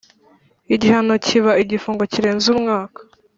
igihano kiba igifungo kirenze umwaka